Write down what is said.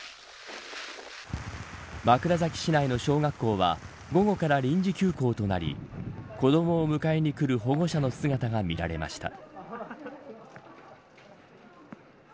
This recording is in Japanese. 枕崎市内の小学校は午後から臨時休校となり子どもを迎えに来る保護者の姿が見られました。